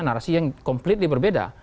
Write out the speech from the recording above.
narasi yang komplekt di berbeda